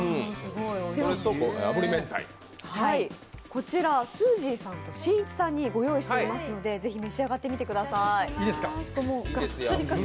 こちらは、すーじーさんと、しんいちさんにご用意していますので、是非、召し上がってください。